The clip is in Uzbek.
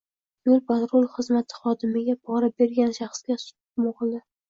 Yo‘l-patrul xizmati xodimiga pora bergan shaxsga sud hukmi o‘qildi